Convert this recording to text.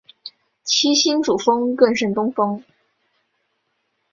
七星主峰更胜东峰